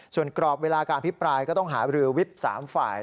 ส่วนกรอบเวลาการพิปรายก็ต้องหาบรือวิบ๓ฝ่าย